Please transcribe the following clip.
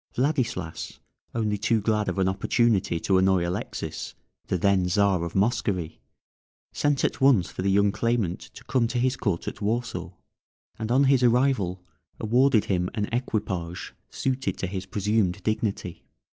Vladislas, only too glad of an opportunity to annoy Alexis, the then Czar of Moscovy, sent at once for the young claimant to come to his court at Warsaw, and on his arrival awarded him an equipage suited to his presumed dignity.